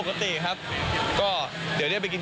ไปกับท่าน